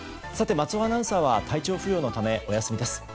松尾アナウンサーは体調不良のため、お休みです。